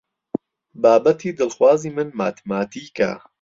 بابەتی دڵخوازی من ماتماتیکە.